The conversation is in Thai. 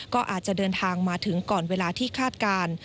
ก็อาจจะเดินทางมาถึงก่อนเวลาที่คาดการณ์